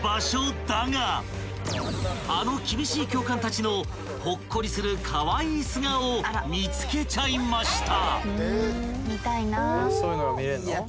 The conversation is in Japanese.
［あの厳しい教官たちのほっこりするカワイイ素顔を見つけちゃいました］